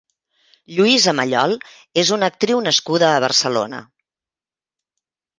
Lluïsa Mallol és una actriu nascuda a Barcelona.